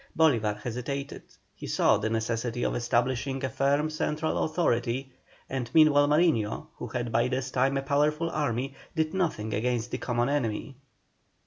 Bolívar hesitated, he saw the necessity of establishing a firm central authority, and meanwhile Mariño, who had by this time a powerful army, did nothing against the common enemy.